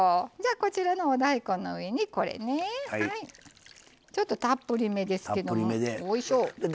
こちらのお大根の上にちょっとたっぷりめですけど。